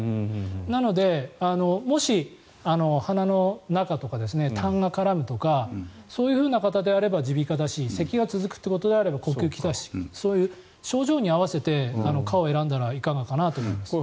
なので、もし鼻の中とかたんが絡むとかそういうふうな方であれば耳鼻科だしせきが続くということであれば呼吸器科だしそういう症状に合わせて科を選んだらいかがかなと思います。